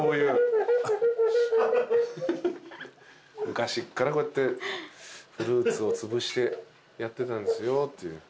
昔っからこうやってフルーツをつぶしてやってたんですよっていう。